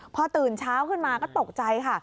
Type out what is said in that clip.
พอตื่นเช้าขึ้นมาก็ตกใจค่ะ